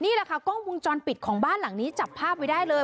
นี่แหละค่ะกล้องวงจรปิดของบ้านหลังนี้จับภาพไว้ได้เลย